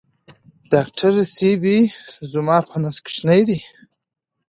ډاکټر صېبې زما په نس کوچینی دی